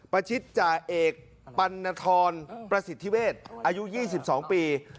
ประชิดจ่าเอกปัณฑรประสิทธิเวศอายุ๒๒ปี